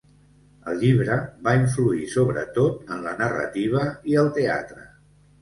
El llibre va influir sobretot en la narrativa i el teatre.